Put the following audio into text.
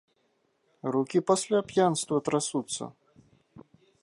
Рукі пасля п'янства трасуцца?